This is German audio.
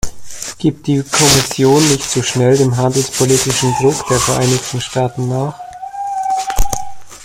Gibt die Kommission nicht zu schnell dem handelspolitischen Druck der Vereinigten Staaten nach?